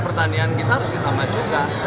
pertanian kita harus ditambah juga